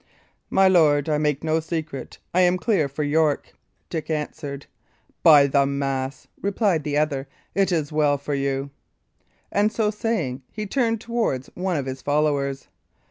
"My lord, I make no secret; I am clear for York," Dick answered. "By the mass!" replied the other, "it is well for you." And so saying, he turned towards one of his followers.